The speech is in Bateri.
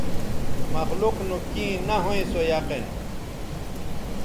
مخلوق نو کیں نہ ھویں سو یقین